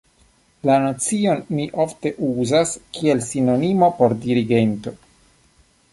La nocion oni ofte uzas kiel sinonimo por dirigento.